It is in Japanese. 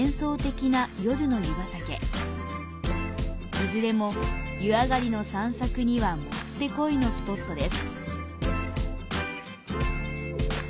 いずれも湯上がりの散策にはもってこいのスポットです。